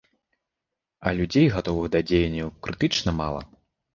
А людзей, гатовых да дзеянняў, крытычна мала.